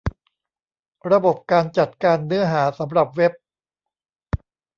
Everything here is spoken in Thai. ระบบการจัดการเนื้อหาสำหรับเว็บ